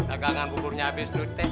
kadang kadang kumat begitu tuh